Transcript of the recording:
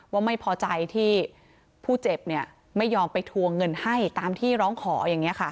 ว่าไม่พอใจที่ผู้เจ็บไม่ยอมไปทวงเงินให้ตามที่ร้องขออย่างนี้ค่ะ